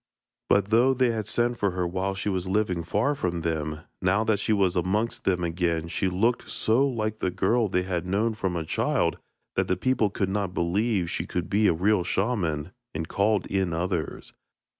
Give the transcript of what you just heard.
But though they had sent for her while she was living far from them, now that she was amongst them again she looked so like the girl they had known from a child that the people could not believe she could be a real shaman, and called in others.